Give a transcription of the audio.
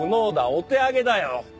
お手上げだよ！